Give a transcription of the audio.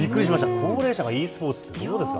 高齢者がｅスポーツって、どうですか？